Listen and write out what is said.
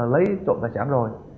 lấy trộm tài sản rồi